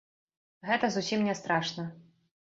Гэта зусім не страшна!